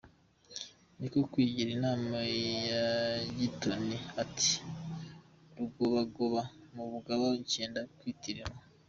Niko kwigira inama ya gitoni ati "Rugobagoba na Bugaba byenda kwitiranwa.